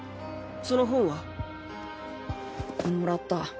その本は？もらった。